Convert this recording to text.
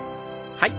はい。